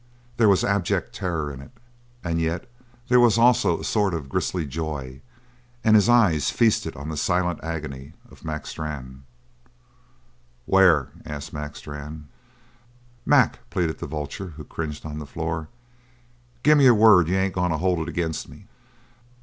There was abject terror in it, and yet there was also a sort of grisly joy, and his eyes feasted on the silent agony of Mac Strann. "Where?" asked Mac Strann. "Mac," pleaded the vulture who cringed on the floor, "gimme your word you ain't goin' to hold it agin me."